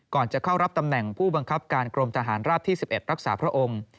จะเข้ารับตำแหน่งผู้บังคับการกรมทหารราบที่๑๑รักษาพระองค์